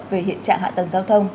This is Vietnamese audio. về hiện trạng hại tầng giao thông